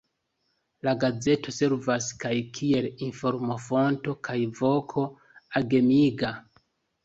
La gazeto servas kaj kiel informofonto kaj voko agemiga.